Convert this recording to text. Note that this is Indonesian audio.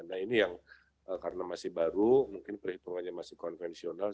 nah ini yang karena masih baru mungkin perhitungannya masih konvensional